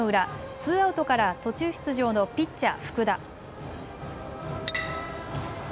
ツーアウトから途中出場のピッチャー、福田。